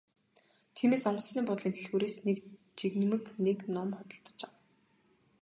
Тиймээс онгоцны буудлын дэлгүүрээс нэг жигнэмэг нэг ном худалдаж авав.